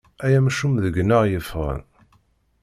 Ay amcum deg-neɣ yeffɣen.